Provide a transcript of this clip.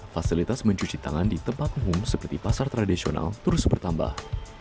fasilitas mencuci tangan di tempat umum seperti pasar tradisional terus bertambah